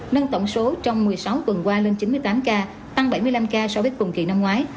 nâng tổng số trong một mươi sáu tuần qua lên chín mươi tám ca tăng bảy mươi năm ca so với cùng kỳ năm ngoái